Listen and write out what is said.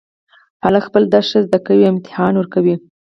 هلک خپل درس ښه زده کوي او امتحان ورکوي